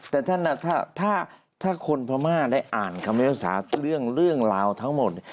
แต่ท่านนะถ้าคนพม่าได้อ่านคำเลี้ยวศาสตร์เรื่องราวทั้งหมด